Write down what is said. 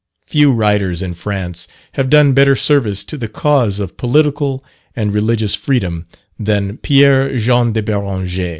Few writers in France have done better service to the cause of political and religious freedom, than Pierre Jean de Beranger.